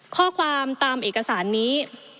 ข้อความตามเอกสารนี้